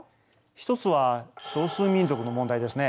一つは少数民族の問題ですね。